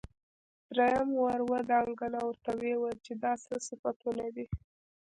دريم ور ودانګل او ورته يې وويل چې دا څه صفتونه دي.